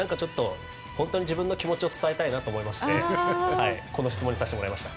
本当に自分の気持ちを伝えたいと思ってこの質問にさせてもらいました。